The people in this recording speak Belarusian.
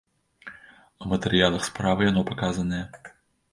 А ў матэрыялах справы яно паказанае.